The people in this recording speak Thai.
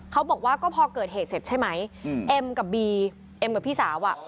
เขาบอกว่าก็พอเกิดเหตุเสร็จใช่ไหมเอ็มกับบีเอ็มกับพี่สาวอ่ะ